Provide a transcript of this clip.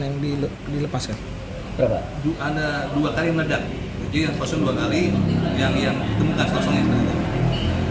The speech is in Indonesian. yang dilepaskan berapa ada dua kali mendatang jika kosong dua kali yang